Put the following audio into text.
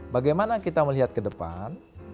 bagaimana kita melihat ke depan